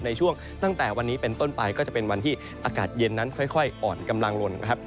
ในช่วงตั้งแต่วันนี้เป็นต้นไปก็จะเป็นวันที่อากาศเย็นนั้นค่อยอ่อนกำลังลงนะครับ